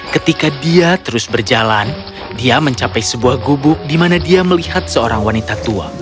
ketika dia terus berjalan dia mencapai sebuah gubuk di mana dia melihat seorang wanita tua